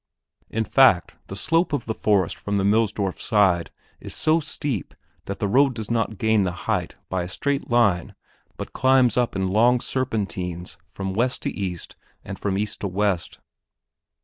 In fact, the slope of the forest from the Millsdorf side is so steep that the road does not gain the height by a straight line but climbs up in long serpentines from west to east and from east to west.